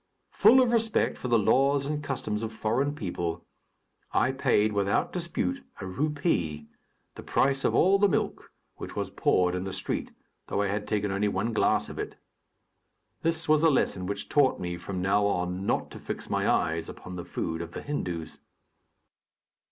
Full of respect for the laws and customs of foreign peoples, I paid, without dispute, a rupee, the price of all the milk, which was poured in the street, though I had taken only one glass of it. This was a lesson which taught me, from now on, not to fix my eyes upon the food of the Hindus.